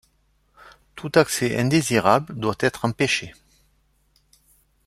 Tout accès indésirable doit être empêché.